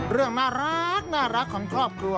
เรื่องน่ารักของครอบครัว